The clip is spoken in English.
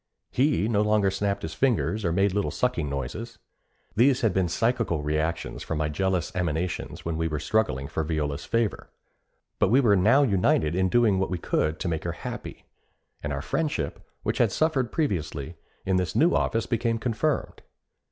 He no longer snapped his fingers or made little sucking noises. These had been psychical reactions from my jealous emanations when we were struggling for Viola's favor; but we were now united in doing what we could to make her happy; and our friendship, which had suffered previously, in this new office became confirmed.